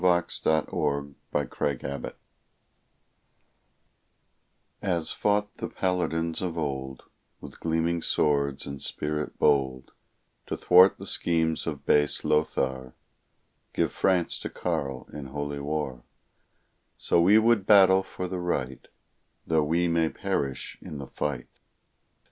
VICTORY GAINED AND LIFE LOST As fought the Paladins of old, With gleaming swords and spirit bold, To thwart the schemes of base Lothar, Give France to Karl in holy war, So would we battle for the right, Tho' we may perish in the fight.